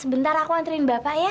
sebentar aku antriin bapak ya